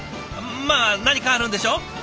まあ何かあるんでしょう。